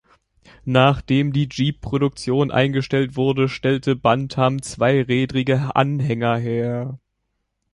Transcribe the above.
Nachdem die Jeep-Produktion eingestellt wurde, stellte Bantam zweirädrige Anhänger her.